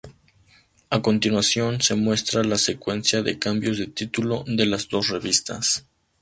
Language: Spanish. A continuación se muestra la secuencia de cambios de título de las dos revistas.